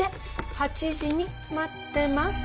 「８時に待ってます」